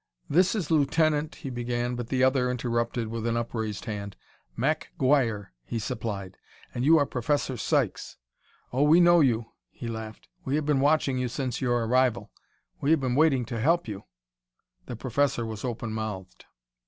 "This is Lieutenant " he began, but the other interrupted with an upraised hand. "Mack Guire," he supplied; "and you are Professor Sykes.... Oh, we know you!" he laughed; "we have been watching you since your arrival; we have been waiting to help you." The professor was open mouthed.